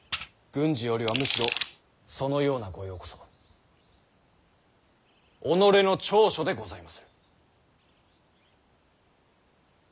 軍事よりはむしろそのような御用こそ己の長所でございまする。